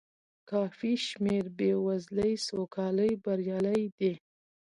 کافي شمېر بې وزلۍ سوکالۍ بریالۍ دي.